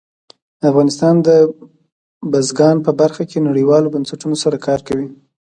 افغانستان د بزګان په برخه کې نړیوالو بنسټونو سره کار کوي.